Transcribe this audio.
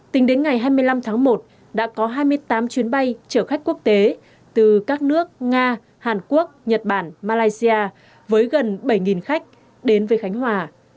tính đến ngày hai mươi năm tháng một đã có hai mươi tám chuyến bay chở khách quốc tế từ các nước nga hàn quốc nhật bản malaysia với gần bảy khách đến với khánh hòa